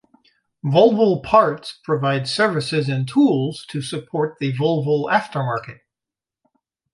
Volvo Parts provide services and tools to support the Volvo aftermarket.